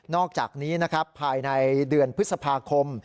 อกจากนี้นะครับภายในเดือนพฤษภาคม